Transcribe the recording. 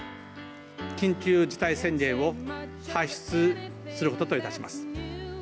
緊急事態宣言を発出することといたします。